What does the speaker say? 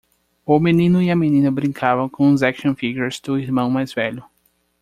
O menino e menina brincavam com os action figures do irmão mais velho.